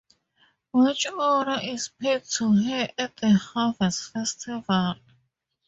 Much honor is paid to her at the harvest festival.